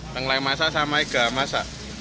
tenggara masak sama iga masak